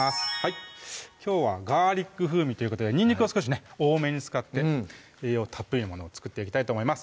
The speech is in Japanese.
きょうは「ガーリック風味」ということでにんにくを少しね多めに使って栄養たっぷりのものを作っていきたいと思います